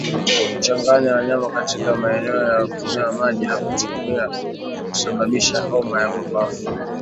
Kuchanganya wanyama katika maeneo ya kunywea maji na kuchungia husababisha homa ya mapafu